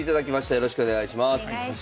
よろしくお願いします。